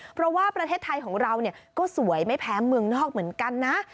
เพราะว่าประเทศไทยของเราก็สวยไม่แพ้เมืองนอกเหมือนกันนะ